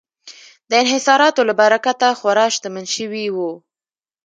د انحصاراتو له برکته خورا شتمن شوي وو.